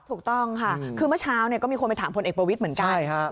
ถูกต้องค่ะคือเมื่อเช้าเนี่ยก็มีคนไปถามพลเอกประวิทย์เหมือนกัน